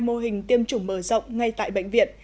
mô hình tiêm chủng mở rộng ngay tại bệnh viện